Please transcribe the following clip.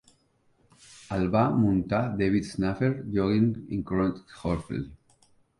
El van muntar Debbie Shaffner, Joe Fargis i Conrad Homfeld.